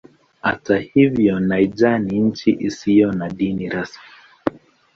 Hata hivyo Niger ni nchi isiyo na dini rasmi.